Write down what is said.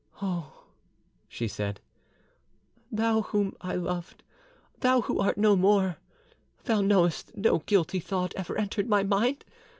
"Oh!" she said, "thou whom I loved, thou who art no more, thou knowest no guilty thought ever entered my mind!